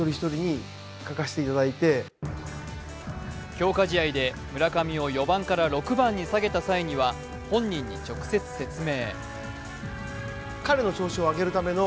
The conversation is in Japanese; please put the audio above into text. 強化試合で村上を４番から６番に下げた際には本人に直接説明。